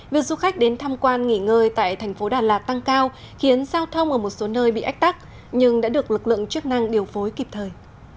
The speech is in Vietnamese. việc du khách đến tham quan nghỉ ngơi tại thành phố đà lạt tăng cao khiến giao thông ở một số nơi bị ách tắc nhưng đã được lực lượng chức năng điều phối kịp thời